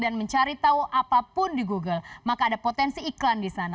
dan mencari tahu apapun di google maka ada potensi iklan di sana